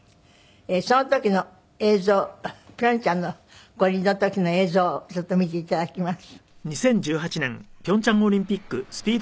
その時の映像平昌の五輪の時の映像をちょっと見て頂きます。